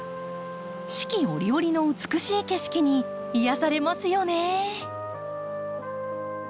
四季折々の美しい景色に癒やされますよね。